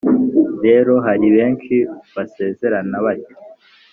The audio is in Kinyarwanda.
rero, hari benshi basezerana batyo